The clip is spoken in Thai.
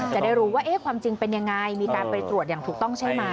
จะได้รู้ว่าความจริงเป็นยังไงมีการไปตรวจอย่างถูกต้องใช่ไหม